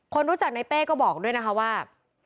คนรู้จักในเป้ก็บอกด้วยนะคะว่า